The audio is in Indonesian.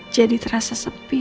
jadi terasa sepi